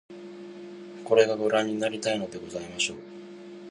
これが御覧になりたいのでございましょう